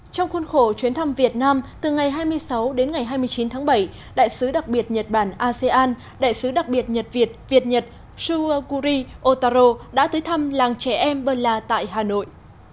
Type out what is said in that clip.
trong khuôn khổ chuyến thăm việt nam từ ngày hai mươi sáu đến ngày hai mươi chín tháng bảy đại sứ đặc biệt nhật bản asean đại sứ đặc biệt nhật việt việt nhật shua kuri otaro đã tới thăm làng trẻ em bơ la tại hà nội